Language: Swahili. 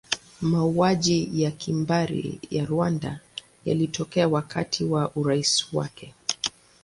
Mauaji ya kimbari ya Rwanda yalitokea wakati wa urais wake.